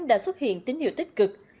đã xuất hiện tín hiệu tích cực